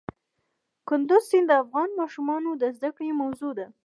کندز سیند د افغان ماشومانو د زده کړې موضوع ده.